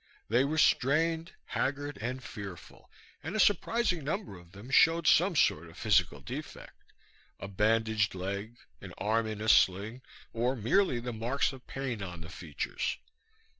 They were strained, haggard and fearful, and a surprising number of them showed some sort of physical defect, a bandaged leg, an arm in a sling or merely the marks of pain on the features.